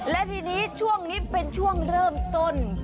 และทีนี้ช่วงนี้เป็นช่วงเริ่มต้น